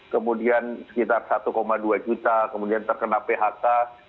kemudian sekitar satu dua juta kemudian terkena phk dua ratus dua belas